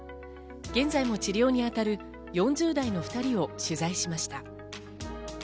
現在も治療に当たる４０代の２人を取材しました。